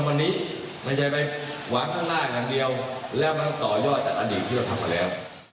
แล้วต้องต่อยย่อดจากอดีตที่เราทำอะแล้ว